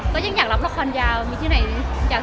ก็ยังอยากราคายาว